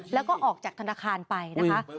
แล้วก็ออกจากธนาคารไปนะคะ